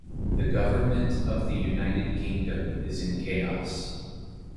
The government of the United Kingdom is in chaos.